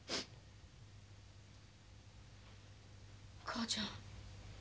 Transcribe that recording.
母ちゃん。